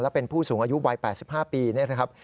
และเป็นผู้สูงอายุวัย๘๕ปีเนี่ยนะครับ